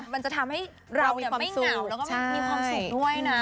มันจะทำให้เราไม่เหงาแล้วก็มีความสุขด้วยนะ